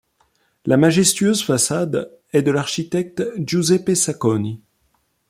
La majestueuse façade est de l’architecte Giuseppe Sacconi.